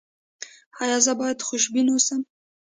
ایا زه باید خوشبین اوسم؟